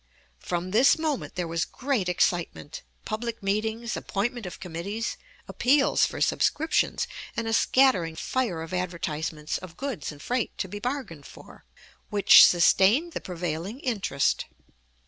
From this moment there was great excitement, public meetings, appointment of committees, appeals for subscriptions, and a scattering fire of advertisements of goods and freight to be bargained for, which sustained the prevailing interest.